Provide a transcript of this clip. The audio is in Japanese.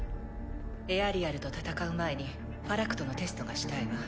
エアリアルと戦う前にファラクトのテストがしたいわ。